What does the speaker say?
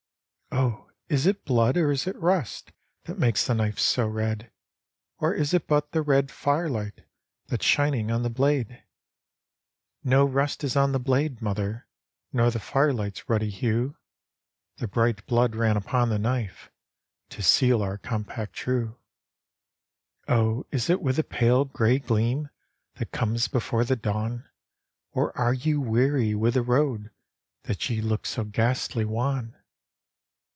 " O is it blood or is it rust That makes the knife so red. Or is it but the red firelight That's shining on the blade i "" No rust is on the blade, mother. Nor the firelight's ruddy hue; Tlie bright blood ran upon the knife To seal our compact true." " O is it with the pale gray gleam That comes before the dawn, Or arc ye weary with the road That ye look so ghastly wan?"